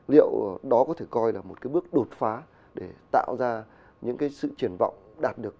liệu đó có thể coi là một cái bước đột phá để tạo ra những cái sự triển vọng đạt được